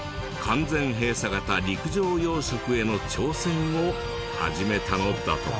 完全閉鎖型陸上養殖への挑戦を始めたのだとか。